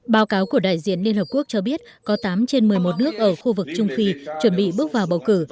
báo cáo của đại diện liên hợp quốc cho biết có tám trên một mươi một nước ở khu vực trung phi chuẩn bị bước vào bầu cử